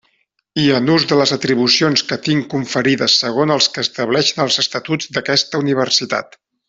I en ús de les atribucions que tinc conferides segons els que estableixen els Estatus d'aquesta Universitat.